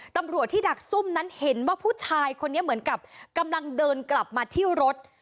ตำรวจที่ดักซุ่มนั้นเห็นว่าผู้ชายคนนี้เหมือนกับกำลังเดินกลับมาที่รถ